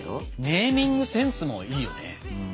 ネーミングセンスもいいよね。